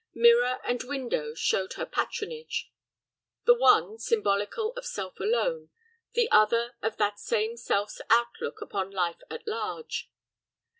Mirror and window showed her patronage; the one, symbolical of self alone; the other of that same self's outlook upon life at large.